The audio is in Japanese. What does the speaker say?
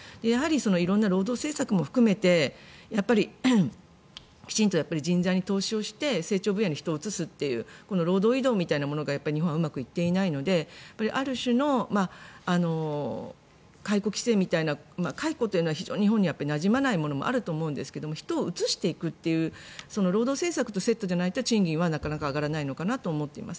色んな労働政策も含めてきちんと人材に投資して成長分野に人を移す労働移動みたいなものが日本はうまくいっていないのである種の解雇規制というか解雇というのは非常に日本になじまないものもあると思うんですが人を移していくというその労働政策とセットじゃないと賃金はなかなか上がらないと思ってます。